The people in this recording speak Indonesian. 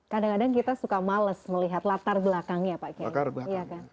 kadang kadang kita suka males melihat latar belakangnya pak kiai